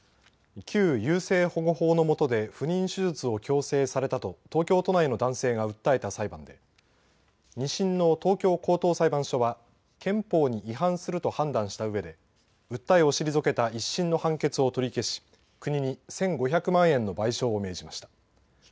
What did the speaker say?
旧優生保護法のもとで不妊手術を強制されたと東京都内の男性が訴えた裁判で２審の東京高等裁判所は憲法に違反すると判断したうえで訴えを退けた１審の判決を取り消し国に１５００万円の賠償を命じました。